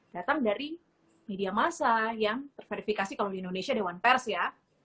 datang dari media massa yang terverifikasi kalau di indonesia dewan pers ya